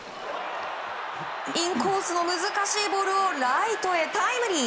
インコースの難しいボールをライトへタイムリー。